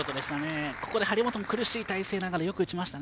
ここで張本も苦しい体勢ながらよく打ちましたね。